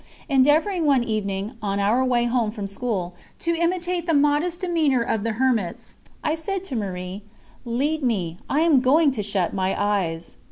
Endeavouring one evening, on our way home from school, to imitate the modest demeanour of the hermits, I said to Marie: "Lead me, I am going to shut my eyes."